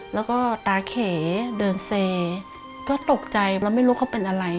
แล้วก็ตาเขเดินเซก็ตกใจเราไม่รู้เขาเป็นอะไร